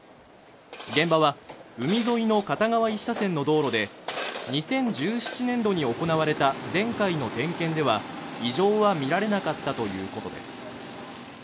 現場は海沿いの片側１車線の道路で２０１７年度に行われた前回の点検では異常は見られなかったということです。